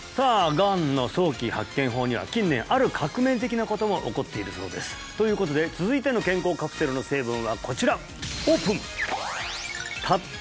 がんの早期発見法には近年ある革命的なことも起こっているそうですということで続いての健康カプセルの成分はこちらオープン！